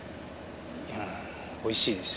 うんおいしいです。